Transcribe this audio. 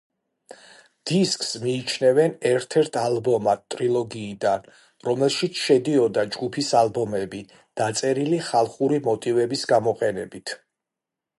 დისკს მიიჩნევენ ერთ-ერთ ალბომად ტრილოგიიდან, რომელშიც შედიოდა ჯგუფის ალბომები, დაწერილი ხალხური მოტივების გამოყენებით.